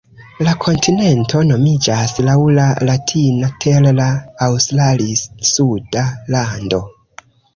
La kontinento nomiĝas laŭ la latina "terra australis", suda lando.